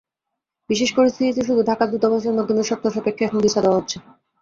বিশেষ পরিস্থিতিতে শুধু ঢাকার দূতাবাসের মাধ্যমে শর্ত সাপেক্ষে এখন ভিসা দেওয়া হচ্ছে।